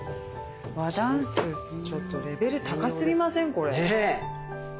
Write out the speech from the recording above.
和ダンスちょっとレベル高すぎません？